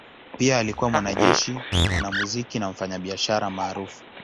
Pia alikuwa mwanajeshi, mwanamuziki na mfanyabiashara maarufu.